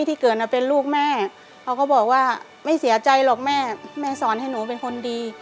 ที่เกิดมาเป็นลูกแม่เขาก็บอกว่าไม่เสียใจหรอกแม่แม่สอนให้หนูเป็นคนดี